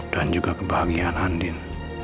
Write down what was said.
dan juga kebahagiaan andin